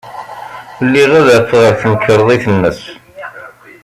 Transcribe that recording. Liɣ adaf ɣer temkarḍit-nnes.